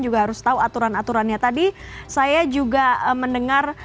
jadi saya juga mendengar